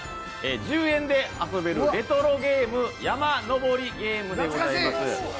１０円で遊べるレトロゲーム、「山のぼりゲーム」でございます。